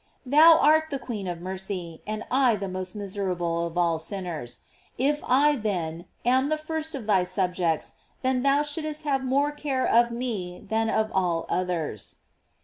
Thou art the queen of mercy, and I the most miserable of all sinners; if I, then, am the first of thy sub jects, then thou shouldst have more care of me than of all others.